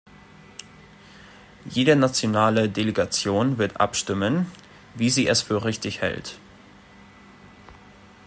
Jede nationale Delegation wird abstimmen, wie sie es für richtig hält.